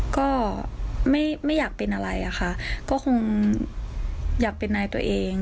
ก็ไม่อยากเป็นอะไรอะค่ะก็คงอยากเป็นนายตัวเอง